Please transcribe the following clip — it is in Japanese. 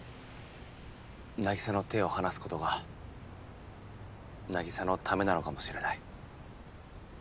凪沙の手を離すことが凪沙のためなのかもしれない。